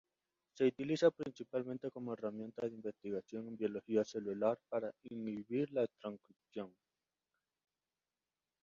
Se utiliza principalmente como herramienta de investigación en biología celular para inhibir la transcripción.